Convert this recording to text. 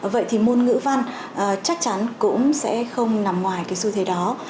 vậy thì môn ngữ văn chắc chắn cũng sẽ không nằm ngoài cái xu thế đó